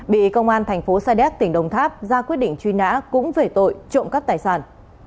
bị công an tp sadec tỉnh đồng tháp ra quyết định truy nã cũng về tội trộm cắt tài sản